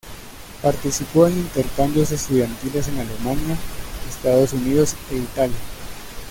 Participó en intercambios estudiantiles en Alemania, Estados Unidos e Italia.